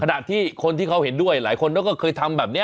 ขณะที่คนที่เขาเห็นด้วยหลายคนก็เคยทำแบบนี้